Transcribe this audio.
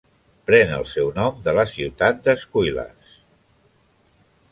Pren el seu nom de la ciutat de Squillace.